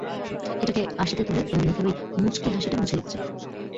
এটাকে আশিতে তুলে তোমার মুখের ওই মুচকি হাসিটা মুছে দিতে চাই।